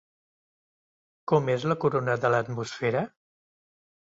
Com és la corona de l'atmosfera?